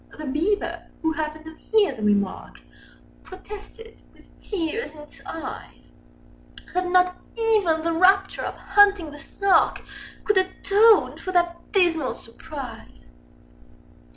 The Beaver, who happened to hear the remark, Â Â Â Â Protested, with tears in its eyes, That not even the rapture of hunting the Snark Â Â Â Â Could atone for that dismal surprise!